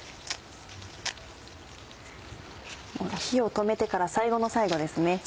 火を止めてから最後の最後ですね。